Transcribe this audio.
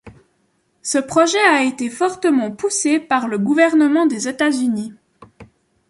Ce projet a été fortement poussé par le gouvernement des États-Unis.